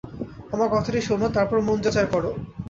আমার কথাটা শোনো, তারপর মন যা চায় করো।